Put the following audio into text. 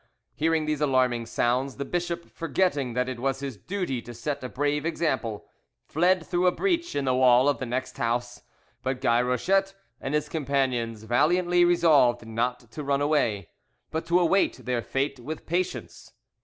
Hearing these alarming sounds, the bishop, forgetting that it was his duty to set a brave example, fled through a breach in the wall of the next house; but Guy Rochette and his companions valiantly resolved not to run away, but to await their fate with patience.